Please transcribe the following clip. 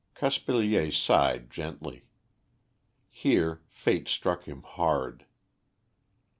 Caspilier sighed gently. Here fate struck him hard.